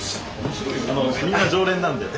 みんな常連なんで。